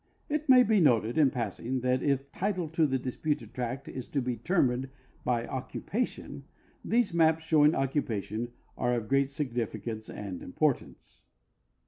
It may be noted in passing that if title to the disputed tract is to be determined b}' occupatUm, ihe^e maps showing occupation are of great significance and importance.